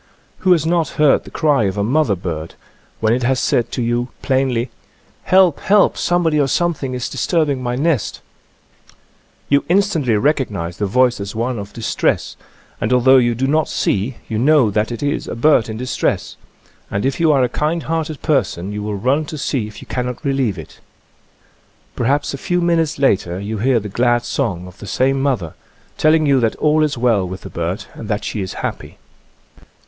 Who has not heard the cry of a mother bird — when it has said to you plainly, "Help! help! Somebody or something is disturbing my nest 1 " You instantly recognize the voice as one of distress, and although you do not 6ee you know that it is a bird in distress, and if you are a kind hearted person you will run to see if you cannot relieve it. Perhaps a few minutes later you hear the glad song of the same mother, telling you that all is well with the bird and that she is happy.